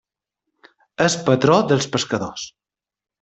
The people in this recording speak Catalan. És patró dels pescadors.